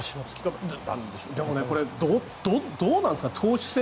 でも、どうなんですか投手戦？